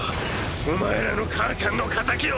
お前らの母ちゃんの仇を！！